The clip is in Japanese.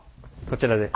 こちらで。